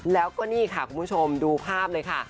แล้วก็นี่ค่ะคุณผู้ชมดูภาพเลยค่ะ